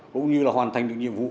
cũng như là hoàn thành được nhiệm vụ